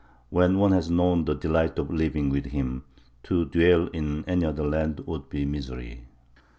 When one has known the delight of living with him, to dwell in any other land would be misery."